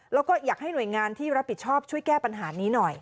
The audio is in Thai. แล้วก็อยากให้หน่วยงานที่รับผิดชอบช่วยแก้ปัญหานี้หน่อย